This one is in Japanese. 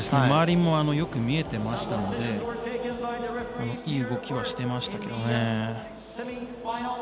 周りもよく見えていましたのでいい動きはしていましたよね。